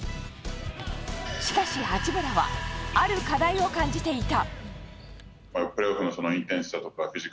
しかし、八村はある課題を感じていた。